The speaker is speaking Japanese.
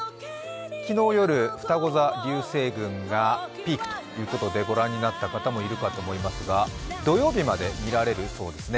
昨日夜ふたご座流星群がピークということでご覧になった方も多いと思いますが土曜日まで見られるそうですね。